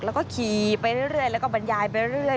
แล้วก็ขี่ไปเรื่อยแล้วก็บรรยายไปเรื่อย